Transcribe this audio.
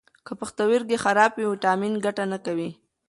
که پښتورګي خراب وي، ویټامین ګټه نه کوي.